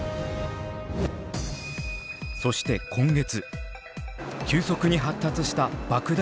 そして今月急速に発達した爆弾